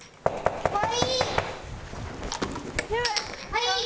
はい。